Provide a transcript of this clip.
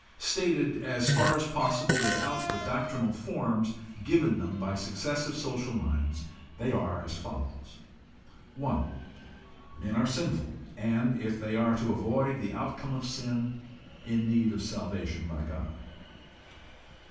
Stated as far as possible without the doctrinal forms given them by successive social minds, they are as follows: 1. Men are sinful, and, if they are to avoid the outcome of sin, in need of salvation by God.